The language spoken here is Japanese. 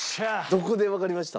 どこでわかりました？